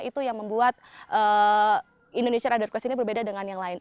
itu yang membuat indonesia rider quest ini berbeda dengan